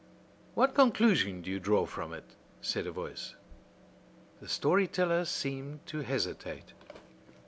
"What conclusion do you draw from it?" said a voice. The story teller seemed to hesitate.